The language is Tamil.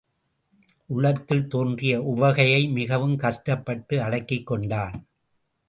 உள்ளத்தில் தோன்றிய உவகையை மிகவும் கஷ்டப்பட்டு அடக்கிக்கொண்டான்.